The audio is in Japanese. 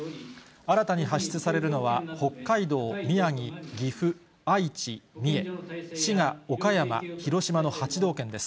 新たに発出されるのは、北海道、宮城、岐阜、愛知、三重、滋賀、岡山、広島の８道県です。